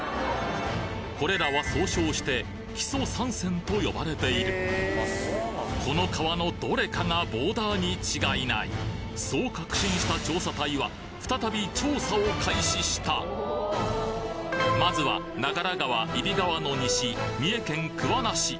これらは総称して木曽三川と呼ばれているこの川のどれかがボーダーに違いないそう確信した調査隊はまずは長良川揖斐川の西三重県桑名市。